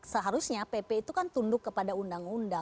seharusnya pp itu kan tunduk kepada undang undang